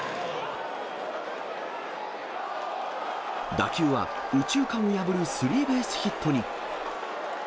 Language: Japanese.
打球は右中間を破るスリーベースヒットに。